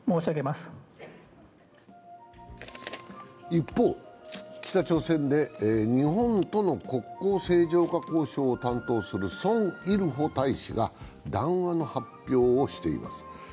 一方、北朝鮮で日本との国交正常化交渉を担当するソン・イルホ大使が談話の発表をしています。